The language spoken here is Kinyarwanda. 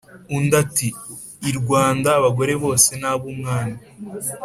undi ati"irwanda abagore bose n’abumwami